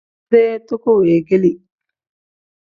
Asubo-dee toko weegeeli.